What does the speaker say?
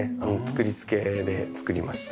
作り付けで作りました。